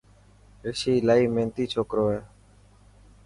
رشي الاهي ميهنتي ڇوڪرو هي.